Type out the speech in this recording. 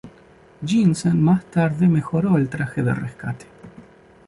Yinsen más tarde mejoró el traje de rescate.